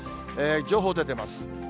情報出てます。